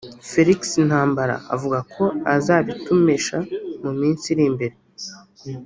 Felix Ntambara avuga ko azabitumesha mu minsi iri mbere